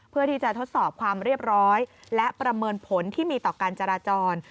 เพื่อที่จะทดสอบความเรียบร้อยและประเมินผลที่มีต่อการจราจร